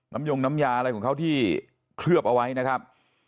ยงน้ำยาอะไรของเขาที่เคลือบเอาไว้นะครับ